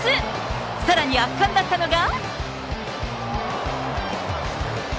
さらに圧巻だったのが。